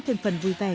thêm phần vui vẻ